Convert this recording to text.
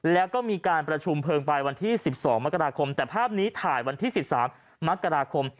แล้วก็มีการประชุมเพลิงไปวันที่๑๒มกราคมแต่ภาพนี้ถ่ายวันที่๑๓มกราคม